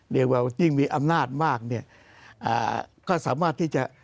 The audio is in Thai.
เรียกว่ายิ่งมีอำนาจมากเนี่ยก็สามารถที่จะ